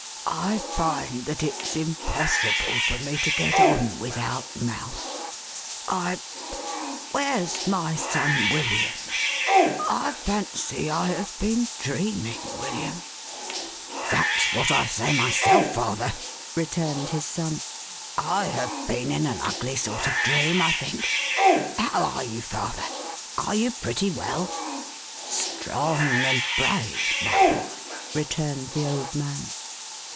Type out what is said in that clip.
I find that it's impossible for me to get on without Mouse. I— where's my son William? — I fancy I have been dreaming, William." " That's what I say myself, father," returned his son. "/ have been in an ugly sort of dream, I think. How are you, father ? Are you pretty well ?" "Strong and brave, my boy," returned the old man.